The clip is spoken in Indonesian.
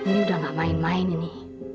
ini udah gak main main ini